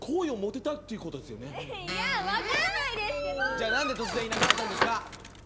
じゃあなんで突然いなくなったんですか？